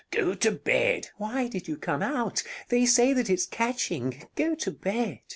Go to bed. Rosina Why did you come out? They say that it's catching. Go to bed.